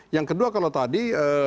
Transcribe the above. yang kedua kalau tadi